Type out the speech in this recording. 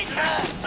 あ！